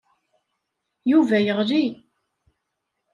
Yuba yeɣli.